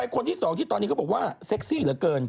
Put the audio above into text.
คนที่๒ที่ตอนนี้เขาบอกว่าเซ็กซี่เหลือเกิน